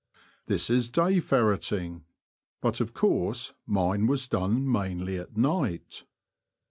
This is day ferreting, but of course mine was done mainly at night.